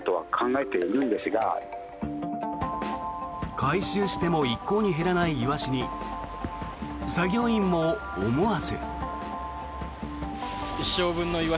回収しても一向に減らないイワシに作業員も、思わず。